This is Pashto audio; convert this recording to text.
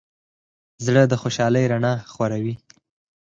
زړه د خوشحالۍ رڼا خوروي.